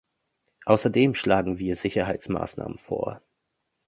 Außerdem schlagen wir Sicherheitsmaßnahmen vor.